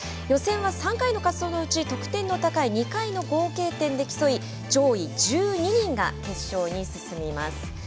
予選は３回の滑走のうち得点の高い２回の合計点で競い上位１２人が決勝に進みます。